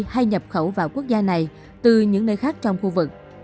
hay nhập khẩu vào quốc gia này từ những nơi khác trong khu vực